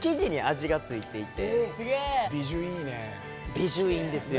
ビジュいいんですよ。